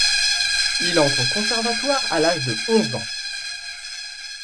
Il entre au conservatoire à l'âge de onze ans.